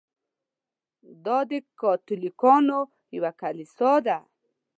دا د کاتولیکانو یوه کلیسا ده.